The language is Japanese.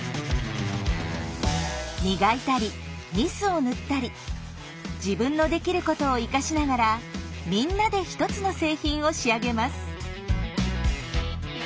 磨いたりニスを塗ったり自分のできることを生かしながらみんなで１つの製品を仕上げます。